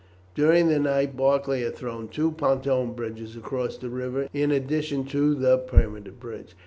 During the night Barclay had thrown two pontoon bridges across the river in addition to the permanent bridge.